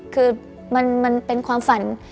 คือมันเป็นความฝัน